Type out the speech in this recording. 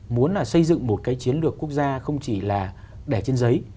muốn là xây dựng một cái chiến lược quốc gia không chỉ là sở hữu trí tuệ